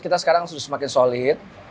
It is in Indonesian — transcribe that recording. kita sekarang semakin solid